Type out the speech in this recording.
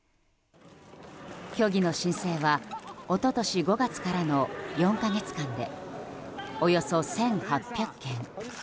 虚偽の申請は一昨年５月からの４か月間でおよそ１８００件。